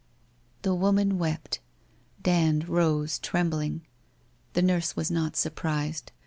' The woman wept. Dand rose trembling. The nurse was not surprised.